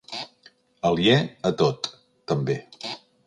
Aliè a tot, també.